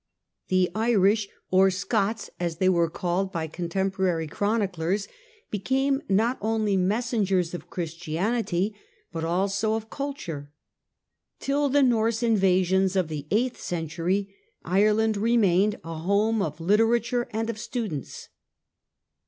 The Irish, or "Scots" as Ireland they are called by contemporary chroniclers, became not only messengers of Christianity but also of culture. Till the Norse invasions of the eighth century Ireland remained a home of literature and of students.